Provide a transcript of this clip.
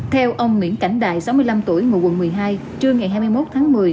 theo ông nguyễn cảnh đại sáu mươi năm tuổi ngụ quận một mươi hai trưa ngày hai mươi một tháng một mươi